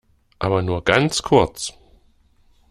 Aber nur ganz kurz!